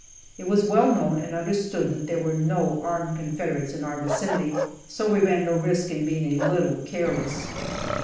It was well known and understood that there were no armed Confederates in our vicinity, so we ran no risk in being a little careless.